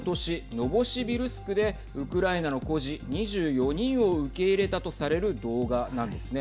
ノボシビルスクでウクライナの孤児２４人を受け入れたとされる動画なんですね。